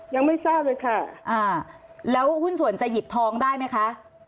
ยังไม่ทราบเลยค่ะอ่าแล้วหุ้นส่วนจะหยิบทองได้ไหมคะ